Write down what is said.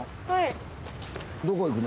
はい。